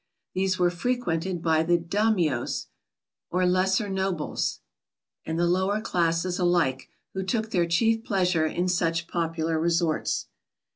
These were frequented by the Daimios, or lesser nobles, and the lower classes alike, who took their chief pleasure in such popular resorts.